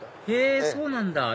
へぇそうなんだ！